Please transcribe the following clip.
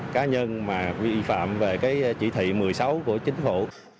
cá nhân vi phạm về chỉ thị một mươi sáu của chính phủ